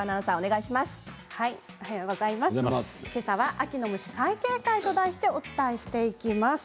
けさは秋の虫、最警戒と題してお伝えしていきます。